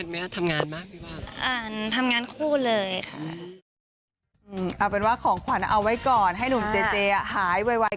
มีแทนไหมทำงานมากหรือเปล่า